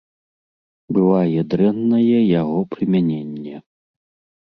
Бывае дрэннае яго прымяненне.